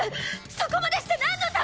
そこまでしてなんのために。